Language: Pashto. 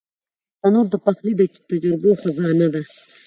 تنور د پخلي د تجربو خزانه ده